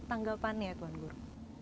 tanggapannya ya tuhan guru